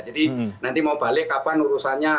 jadi nanti mau balik kapan urusannya